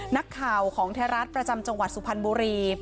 นักข่าวของไทยรัฐประจำจังหวัดสุพรรณบุรี